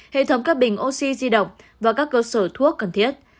hệ thống các bình oxy di động và các cơ sở thuốc cần thiết